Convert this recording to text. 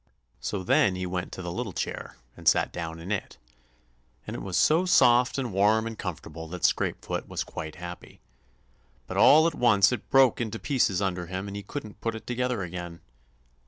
So then he went to the little chair and sat down in it, and it was so soft and warm and comfortable that Scrapefoot was quite happy; but all at once it broke to pieces under him and he couldn't put it together again!